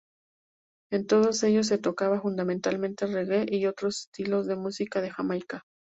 En todos ellos se tocaba fundamentalmente reggae y otros estilos de música de Jamaica.